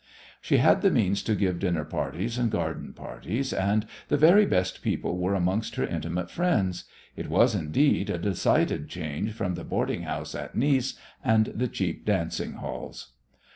She had the means to give dinner parties and garden parties, and the very best people were amongst her intimate friends. It was, indeed, a decided change from the boarding house at Nice and the cheap dancing halls.